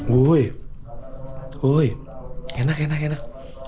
wuih wuih enak enak enak